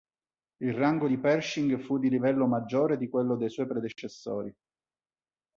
Il rango di Pershing fu di livello maggiore di quello dei suoi predecessori.